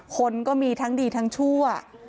คนก็มีทั้งดีทั้งชั่ว